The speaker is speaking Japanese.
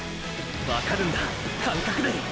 わかるんだ感覚で。